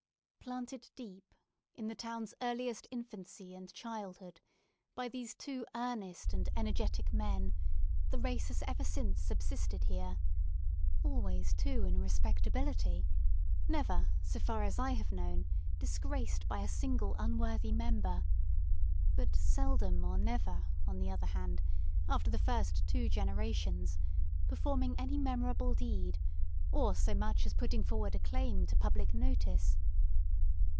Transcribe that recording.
Planted deep, in the town's earliest infancy and childhood, by these two earnest and energetic men, the race has ever since subsisted here; always, too, in respectability; never, so far as I have known, disgraced by a single unworthy member; but seldom or never, on the other hand, after the first two generations, performing any memorable deed, or so much as putting forward a claim to public notice.